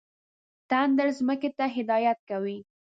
تندر ځمکې ته هدایت کوي.